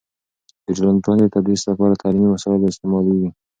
د ټولنپوهنې د تدریس لپاره تعلیمي وسایل استعمالیږي.